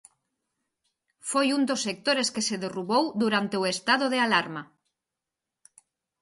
Foi un dos sectores que se derrubou durante o estado de alarma.